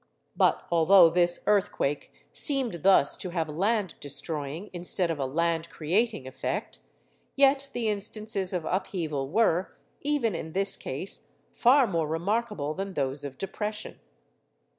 But although this earthquake seemed thus to have a land destroying, instead of a land creating effect, yet the instances of upheaval were, even in this case, far more remarkable than those of depression.